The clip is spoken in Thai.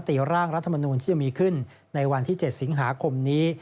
กับเรื่องการลงประชามาตรีร่างรัฐมนุนที่จะมีขึ้นในวันที่๗สิงหาคมนี้